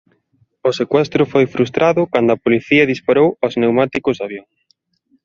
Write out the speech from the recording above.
O secuestro foi frustrado cando a policía disparou aos pneumáticos do avión.